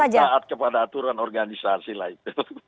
mas ganjar masih taat kepada aturan organisasi lain